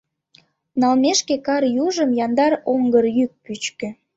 Нелемше кар южым яндар оҥгыр йӱк пӱчкӧ.